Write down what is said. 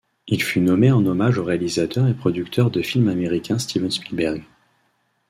Il fut nommé en hommage au réalisateur et producteur de films américain Steven Spielberg.